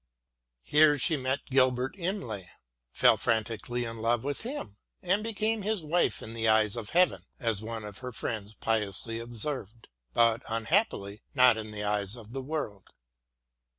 Here she met Gilbert Imlay, fell frantically in love with him, and became his wife in the eyes of heaven, as one of her friends piously observed — ^but, unhappily, not in the eyes of the world.